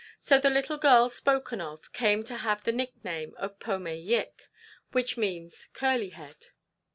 So the little girl spoken of came to have the nickname Pome Yik, which means curly head.